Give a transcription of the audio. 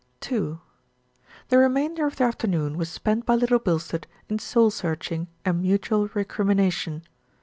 II The remainder of the afternoon was spent by Little Bilstead in soul searching and mutual recrimination.